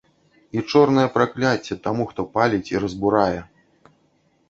І чорнае пракляцце таму, хто паліць і разбурае!